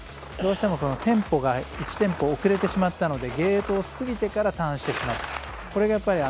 どうしてもテンポが１テンポ遅れてしまったのでゲートを過ぎてからターンしてしまった。